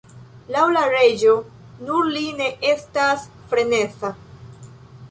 Laŭ la reĝo, nur li ne estas freneza.